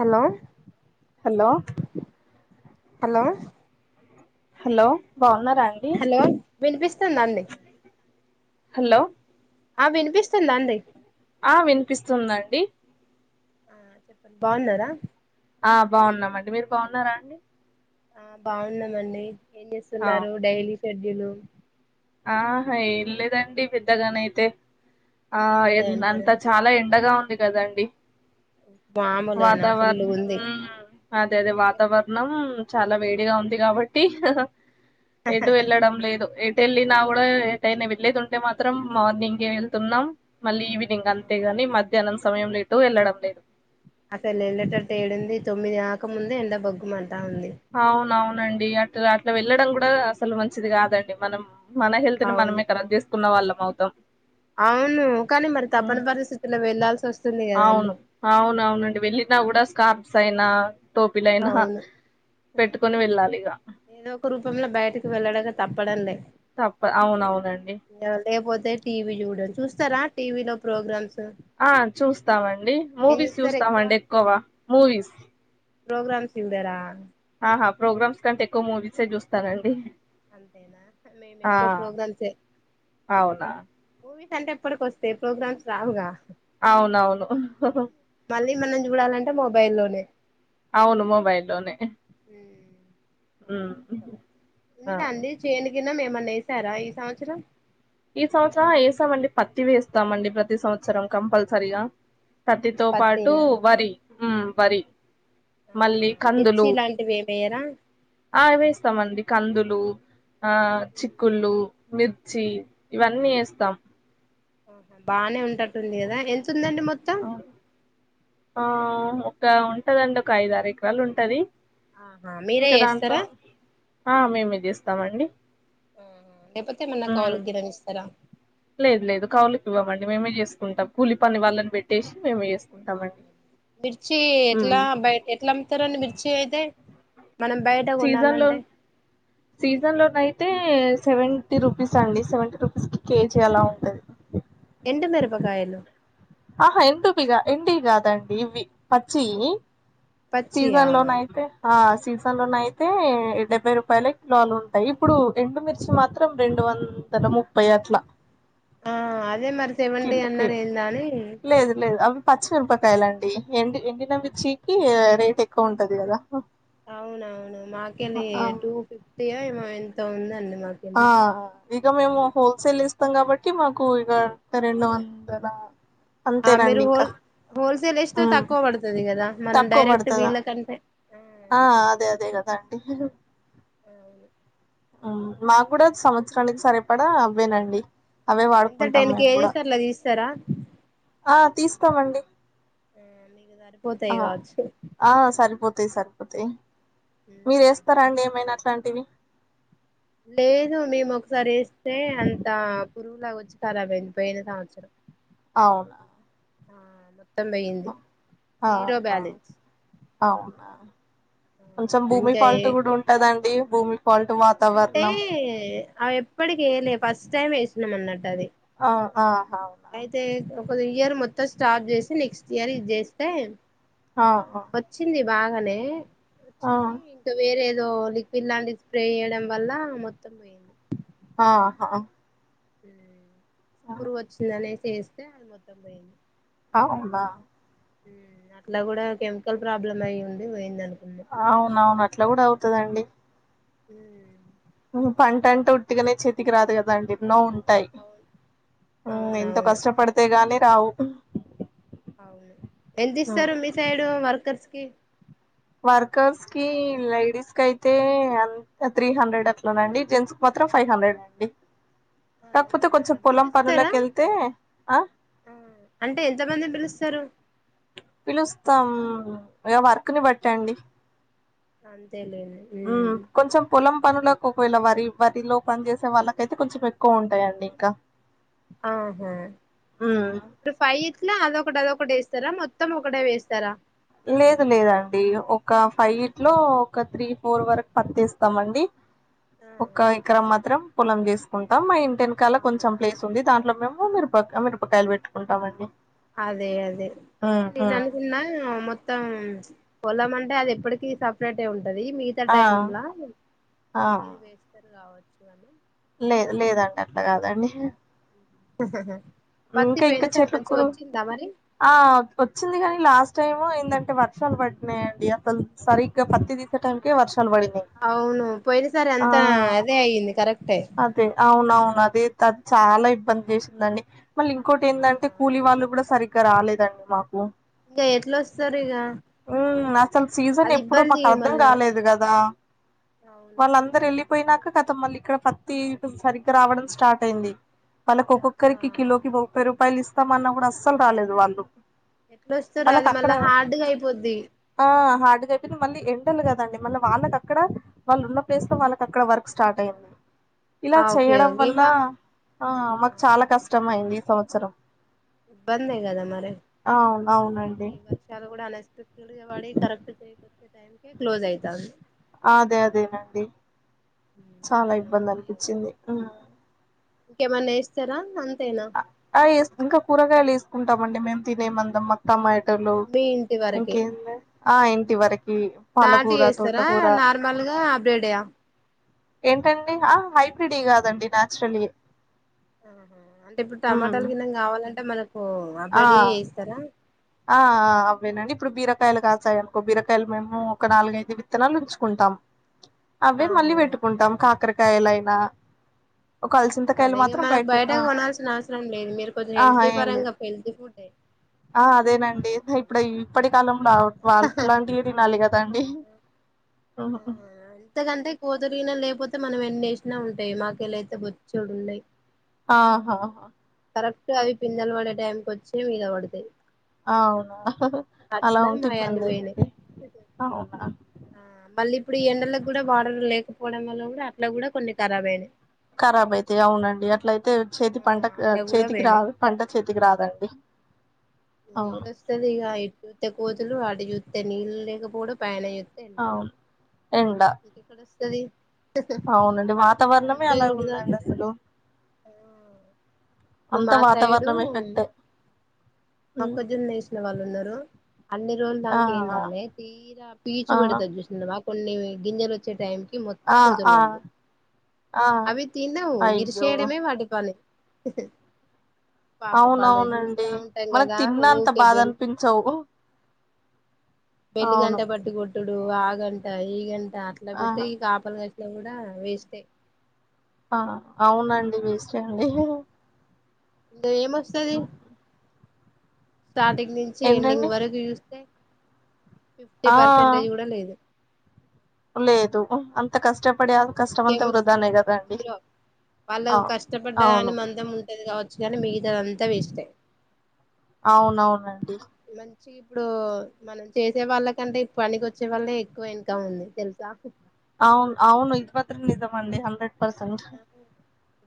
Hello hello hello hello బాగున్నారా అండి hello వినిపిస్తుందా అండి. హలో ఆ వినిపిస్తుందా అండి ఆ వినిపిస్తుందండి ఆ చెప్పండి బాగున్నారా ఆ బాగున్నామండి మీరు బాగున్నారా అండి ఆ బాగున్నాం అండి ఏం ఆ జేస్తున్నారు డైలీ షెడ్యూల్ ఆహా ఏ లేదండి పెద్దగానైతే ఆ ఎ అంతే అంత అంటారా చాలా ఎండగా ఉంది గదండి మామూలుగానా వాతావరణ ఫుల్లు ఉంది ఉమ్ అదే అదే వాతావరణం చాలా వేడిగా ఉంది గాబట్టి ఎటూ వెళ్ళడం లేదు ఎటు వెళ్ళినా గూడా ఎటైనా వెళ్లేేది ఉంటే మాత్రం మార్నింగే వెళ్తున్నాం మళ్ళీ ఈవినింగ్ అంతే గాని మధ్యాహ్నం సమయంలో ఎటూ వెళ్ళడం లేదు అసలు యెళ్ళేటట్టు ఏడుంది తొమ్మిది గాకముందే ఎండ బగ్గుమం అవునవునండి అటు అట్లా వెళ్ళడం గూడా అసలు మంచిది గాదండి మనం మన హెల్త్ ని అవును మనమే కరాబ్ జేసుకున్న వాళ్ళం అవుతాం అవును కానీ మరి హ్మ్. తపని పరిస్థితులో వెళ్లాల్సి వస్ అవును అవును అవునండి వెళ్ళినా గూడా స్కార్ప్స్ అయినా టోపీలయినా అవును పెట్టుకొని వెళ్ళాలి ఇక ఏదో ఒక రూపంలో బయటకి వెళ్ళడగా తప్పడం లే తప్ప అవునవునండి తే టీవీ జూడడు చూస్తారా టీవీ లో ప్రోగ్రామ్స్ ఆ చూస్తామండి ఏం మూవీస్ చూస్తారు చూస్తామండి ఎక్కువ మూవీస్ ప్రోగ్రామ్స్ చూడరా ఆ ప్రోగ్రామ్స్ కంటే ఎక్కువ మూవీసే చూస్తానండి అంతేనా మేము ఆ ఎక్కువ ప్రోగ్రామ్స్ సే అవునా మూవీ అంటే ఎప్పటికి వస్తయ్ ప్రోగ్రామ్స్ రావుగా అవునవును మళ్ళీ మనం జూడాలంటే మొబైల్ ల్లోనే అవును మొబైల్ ల్లోనే ఉమ్ అలా ఇష్టం ఉందా ఆ అంది చేన్ ఇన్నం ఏమన్నా యేసారా ఈ సంవత్సరం ఈ సంవత్సరం యేసామండి పత్తి వేస్తామండి ప్రతి సంవత్సరం కంపల్సరిగా పత్తితో పాటు పత్తేనా వరి ఉమ్ వరి మళ్ళీ అవునా మిర్చి కందులు ఇలాంటివి ఏమి వేయరా ఆ వేస్తామండి కందులు ఆ చిక్కుళ్ళు మిర్చి ఇవన్నీ యేస్తాం ఆహా బాగానే ఉంటట్టుంది గదా ఎంతుందండి మొత్తం ఆ ఒక ఉంటదండి ఒక ఐదారు ఎకరాలు ఉంటది ఆహా మీరే ఇంకా దాంట్లో చేస్తారా ఆ మేమే జేస్తామండి ఆహా లేకపోతే ఏమన్నా కౌలుగిన ఇస్తరా లేదు లేదు కౌలుకి ఇవ్వమండి మేమే జేసుకుంటాం కూలి పని వాళ్ళని బెట్టేసి మేమే జేస్ మిర్చి ఉమ్ ఎట్లా బయట ఎట్లా అమ్ముతరు అండి మిర్చి అయితే మనం బయట సీజన్ లో కొనాలంటే సీజన్ లోనైతే సెవెంటీ రూపీస్ అండి సెవెంటీ రూపీస్ కి కేజీ అలా ఉంటది ఎండు మిరపకాయలు ఆహా ఎండువి గా ఎండివి గాదండి ఇవి పచ్చియి పచ్చియా సీజన్లోనైతే ఆ సీజన్లోనైతే డెబ్బై రూపాయల కిలోలు ఉంటాయి ఇప్పుడు ఎండుమిర్చి మాత్రం రెండు వందల ముప్పై అట్లా ఆ అదే మరి సెవెంటీ కిండకి అన్నారు ఏందని లేదు లేదు అవి పచ్చిమిరపకాయలండి ఎండి ఎండినమిచ్చికి రేట్ ఎక్కువ ఉంటది కదా అవునవును మాకెళ్ళి ఆ టూ ఫిఫ్టీయో ఏమో ఎంతో ఉందండి ఆ మాకెళ్ళి ఇగ మేము హోల్సేల్ ఇస్తాం కాబట్టి మాకు ఇక రెండు వందల ఆ మీరు అంతేనండింకా హోల్ హోల్సేల్ యేసినా తక్కువ పడతది కదా మనం తక్కువ డైరెక్ట్ పడుతదా వీళ్ళ కంటే ఆ అదే అదే కదా అండి అవును మాకు కూడా సంవత్సరానికి సరిపడా అవ్వేనండి అవే ఎంత వాడుకుంటాం టెన్ మేము కూడా కేజెస్ అట్లా తీస్తారా ఆ తీస్తామండి ఆ మీకు సరిపోతాయి ఆ కావచ్చు ఆ సరిపోత్ తయ్ సరిపోతయ్ మీరు యేస్తరా అండి ఏమైనా అట్లాంటివి లేదు మేము ఒక్కసారి యేస్తే అంత పురుగులాగా వచ్చి కరాబయ్యింది పోయిన సంవత్సరం అవునా ఆ మొత్తం పొయింది జీరో ఆహా బ్యాలెన్స్ అవునా కొంచెం భూమి ఇంకా ఏ ఫాల్ట్ కూడా ఉంటదండి భూమి ఫాల్ట్ అంటే వాతావరణం అవి ఎప్పటికి యెయలే ఫస్ట్ టైం యేసినాం అన్నట్టు అది ఆ ఆ అయితే ఒక ఇయర్ మొత్తం స్టార్ట్ చేసి నెక్స్ట్ ఇయర్ ఇది చేస్తే ఆ ఆ బాగనే వచ్చింది ఇంకా వేరే ఏద ఏదో లిక్విడ్ లాంటిది స్ప్రే చేయడం వల్ల మొత్తం పోయింది ఆహా పురుగొచచ్చింది అనేసి ఎస్తే అది మొత్తం పోయింది అవునా హ్మ్ అట్లా కూడా కెమికల్ ప్రాబ్లం అయి ఉండి పోయిందను అవున అవును అట్లా కూడా అవుతదండి హ్మ్ ఒక్క పంట అంటే ఉట్టిగనే చేతికి రాదు కదండి ఎన్నోం ఉంటయ్ అవును హ్మ్ ఎంతో అవునవును కష్టపడితే గాని రావు అవును ఎంత ఇస్తరు మీ సైడు వర్కర్స్కి వర్కర్స్ కి లేడీస్ కి అయితే ఎంత త్రీ హండ్రెడ్ అట్లానండి జెంట్స్ కి మాత్రం ఫైవ్ ఫైవ్ హండ్రెడ్ అండి కాకపోతే ఆహా కొంచెం పొలం పనులకి యెళ్తే ఆ ఆ అంటే ఎంతమందిని పిలుస్తారు పిలుస్తాం ఇగ వర్క్ ని బట్టండి అంత్ హ్మ్ కొంచెం పొలం పనులకు ఒక్కవేళ వరి వరిలో పని చేసే వాళ్ళకయితే కొంచెం ఎక్కువ ఉంటాయండి ఇంకా ఆహా ఉమ్ ఇప్పుడు సైట్ల అదొ ఫుడ్ ఆది ఒకటె వేస్తారా మొత్తం ఒకటే వేస్తారా లేదు లేదండి ఒక ఫైవ్ ఇట్ లో ఒక త్రీ ఫోర్ వరకు పతి వేస్తాము అండి ఒక ఎకరం మాత్రం పొలం తీసుకుంటాం మా ఇంట ఆ ఆ వెనకాల కొంచెం ప్లేస్ ఉంది దాంట్లో మేము మీరు పక్క మీరపకాయలు పెట్టుకుంటామండి అదే అదే అంటే ఉమ్ నేను ఉమ్ అనుకున్నా మొత్ త్తం పొలం అంటే అది ఎప్పటికిీ సపరేట్ ఉం ఉంటది మిగతా ఆ టైమ్లా ఆ ఇది వేస్తారు కావచ్చు అని లేదు లేదండి అట్లా కాదండి ఆ ఇంకా ఇంకా చెట్కురు మరి ఆ వచ్చింది కాని లాస్ట్ టైము అంటే వర్షాలు పడుతునాయియండి అసలు సరిగ్గా పత్తి తీసే టైంకే వర్షాలు తనుబడింది అవును పోయినసారి ఆ అంతా అదే అయ్యింది కరెక్టే అదే అవునవును అదే అది చాలా ఇబ్బంది చేసిందండి మళ్ళీ ఇంకోటి ఆ ఏంటంటే కూలీ వాళ్ళు కూడా సరి గా రాలేదండి మాకు ఇంకా ఎట్లావస్తారు ఇక మ్మ్ అసలు సీజన్ అది ఎప్పుడో ఇబ్బంది మాకు అర్థం మళ్ళా కాలేదు కదా అవును వాళ్ళందరు వెళ్ళి పోయినాక కతం మళ్ళీ ఇక్కడ పత్తి సరిగ్గా రావడం స్టార్ట్ అయింది వాళ్ళకి ఒక్కొక్కరికి ఆ కిలోకి ముప్పై రూపాయలు ఇస్తామన్నా కూడా అస్సలు రాలేదు వాళ్ళు ఎట్లొస్తారు అది వాళ్ళకి అక్కడ మళ్ళా హార్డ్గా అయిపోద్ది ఆ హా అ చెప్ప మళ్ళీ ఎండలు కదండి మళ్ళీ వాళ్ళకిక్కడ వాళ్ళు ఉన్న ప్లేస్ లో వాళ్ళకి అక్కడ వర్క్ స్టార్ట్ అయింది ఇలా ఆ ఓకే చేయడం ఓకే వల్ల ఇవ ఆ మాకు చాలా కష్టం అయింది ఈ సంవత్సరం ఇబ్బందే కదా మరి అవును అది అవునండి ఈ వర్షాలు కూడా అ నెక్స్ట్ త వాడి కరెక్ట్చ్చ టై క్లోజ్ అయితాంది అదే అదే అండి చాలా ఇబ్బంది ఏందో ఏమో అనిపించింది చెరా మళ్ళీ ఆ వేస్ ఇంకా కూరగాయలు వేసుకుంటామండి మేము తినే మందం మత్తమ్మా తలు మీ ఇంటి వరకే ఇంకెందే ఆ ఇంటి వరకు ఈ నాటు పాలకురా వేస్తారా తోటకురా నార్మల్గా అబ్రేడ్యా ఏంటండి హైబ్రీడ కాదండి నాచురలే ఆహా అంటే ఇప్పుడు టమాటాల కిన్నె కావాలంటే మనకు అప్ రెడి ఇస్తారా ఆ ఆ అవేనండి ఇప్పుడు బీరకాయలు కాశాయి అనుకో బీరకాయలు మేము ఒక నాలుగైదు విత్తనాలు ఉంచుకుంటాం అవే మళ్ళీ ఆహా పెట్టుకుంటాం కాకరకాయలయినా ఒక అలసింతకాయలు అదే ఇగ మాత్రం మనకు బయట ఆ కొనాల్సిన అవసరం లేదు మీరు కొంచెం ఆహా హెల్తీ ఏం లేదు పరంగా హెల్తీ ఫుడే ఆ అదేనండి ఇప్పుడు ఇప్పటికి కాలంలో వాట్లాంటివి తినాలి కదండి ఆ ఆ ఎంతకంటే కూతురునా లేకపోతే మనం ఎన్ని వేసిన ఉంటాయి మాకు ఎలాయితే బొచ్చోడు ఉండాయి ఆహా హా కరెక్ట్ అవి పిందలు పడే టైంకి వచ్చి మీద పడతాయి అవునా అలా అట్లా ఉంటే మాయన్ని పోయినాయి ఇబ్బందిదండి అవునా ఆ మళ్ళీ ఇప్పుడు ఈ ఎండలకుకి కూడా బడర్ లేకపోవడం వల్ల కూడా అట్లా కూడా కొన్ని ఖరాబ్ అయినాయి కారాబ్ అయితే అవునండి అట్లయితే తే చేతి ఆ పంట అట్లా కూడా చేతికి పోయినాయి రాదు పంట చేతికి రాదండి ఇంకా అవును ఏడుస్తది ఇక ఇటు చూస్తే కోతులు అటు చూస్తే నీళ్ళు లేకపోవుడు పైన చ అవును ఇంకా అది అవునండి వాతావరణమే అలాగ ఉందండి అసలు ఆ ఇప్పుడు అత మా సైడు వాతవరణం ఏఫెక్ట్ మొక్కజొన్న వేసిన వాళ్ళు ఉన్నారు అన్ని రోజులు ఆ దాక ఏండాలే తీరా పీచు ఆ పడితే చూసిందిమా కొన్ని గింజెలు వచ్చే టైంకి మొం ఆ వదులు ఆ పడదు ఆ అవి తినవు అయ్యో ఇరిసేయడమే వాటి పాలి [unintelligible] అవునవునండి మనకు తిన్నా అంత ఊకే బాధ బెల్ అనిపించవు పెళ్లిి గంట అవును పట్టి కొట్టుడు ఆ గంట ఈ గంట అట్లా ఆ పెట్టి ఈ కాపలి క ఇలా కూడా వేస్ట్ ఏ ఆ అవునండి [inaudible] ఏమొస్తది స్టార్టింగ్ నుంచి ఎండింగ్ ఏంటండి వరకు చూస్ ఫిఫ్టీ ఆ పర్సెంటేజ్ కూడా లేదు లేదు అంత కష్టపడి కష్టమంతా ఇంకేమొస్తది వృధానే ఇక కదాండి జీరో వాళ్ళకు కష్టపడ్డ కాని మందం ఉంటది కావచ్చు కానీ మిగతాదంతా వేస్ట్ఏ అవునవునండి మంచి ఇప్పుడు మనం చేసే వాళ్ళకంటే పనికి వచ్చే వాళ్ళ ఎక్కువ ఇన్కమ్ ఉంది తెలుసా అవును అవును ఇది మాత్రం నిజమండి హండ్రెడ్ పర్సెంట్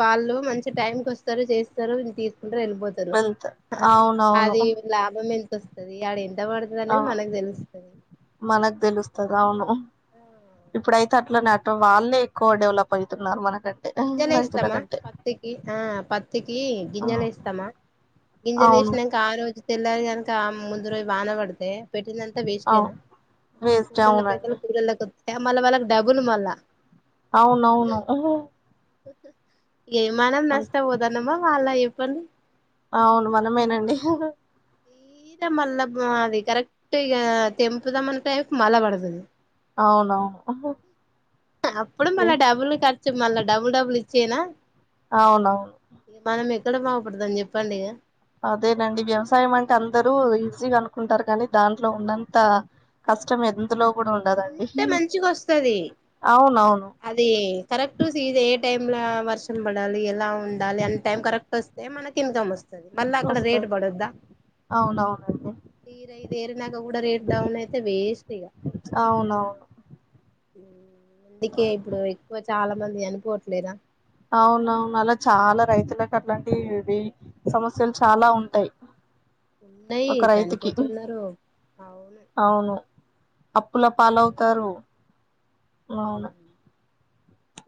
వాళ్ళు మంచి టైంకి వస్తారు చేస్తారు తీ ంట వెళ్ళిపోతారు వెల్త్ అవునవును అది లాభం ఎంత వస్తది ఆడ ఎంత ఎంత పడుతది ఆ అనేది మనకు తెలుస్తది మనకు తెలుస్తది అవును ఇప్పుడైతే అట్లా [unintelligible] వాళ్ళే ఎక్కువ డెవలప్ అవుతున్నారు మనకి గింజలు వేస్తామా పత్తికి ఆ పత్తికి ఆ గింజలు వేస్తామా గింజలు అవును వేసినాక ఆ రోజు తెల్లాల కనుక ముందు రోజు వాన పడితే పెట్టిందంతా వేస్ట్ అవు ఏనా వేస్ట్ కులాల పెట్టల అవునండి కూల మళ్ళా వాళ్ళకి డబుల్ మళ్ళా అవునవును ఏయ మనం అన్ నష్ట పోతనమ్మా వాళ్ళ చెప్పండి అవును మనమేనండి తీర మళ్ళా అది కరెక్ట్ ఇక తెంపుదా మనుకుంటే మళ్ పడతది అవునవును అప్పుడు మళ్ళా డబుల్ ఖర్చు మళ్ళా డబుల్ డబుల్ ఇచ్చేనా అవునవును ఇడ బాగుపడధాం చెప్పండి ఇక అదేనండి వ్యవసాయమంటే అందరు ఈసీగా అనుకుంటారు కానీ దాంట్లో ఉన్నంత కష్టం ఎ [unintelligible] కూడా ఉండదండి ఉంటే మంచిగ వస్తది అవునవును అది కరెక్ట్ సీజ ఏ టైమ్ లో వర్షం పడాలి ఎలా ఉండాలి అన్న టైం కరెక్ట్ వస్తే మనకి ఇన్కమ్ వస్తది మళ్ళ అక్కడ రేట్ వస్తది పడద్దా అవునవునండి తీర దేరినక కూడా రేట్ డౌన్ అయితే వేస్ట్ ఇక [inaudible] ఉ కే ఇప్పుడు ఎక్కువ చాలా మంది చనిపోవట్లేదా అవునవును అలా చాలా రైతులకు అలాంటి ఇవి సమస్యలు చాలా ఉంటాయి ఉన్నాయి ఒక రైతుకి చనిపోతున్నారు అవును అవును అప్పుల పాలవుతారు అవును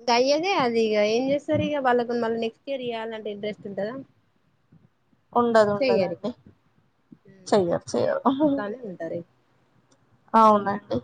ఇంకా అయ్యదే అది ఇక ఏం చేస్తారు ఇక వాళ్ళకు మళ్ళీ చెర్యల అంటే ఇంట్రెస్ట్ ఉంటదా ఉండదు చెయ్యరు ఉండదండి చెయ్యరు చెయ్యరు చెయకుండా అలానే ఉంటారు అవునండి